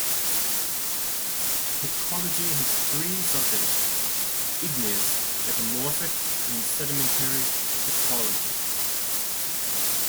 Petrology has three subdivisions, igneous, metamorphic, and sedimentary petrology.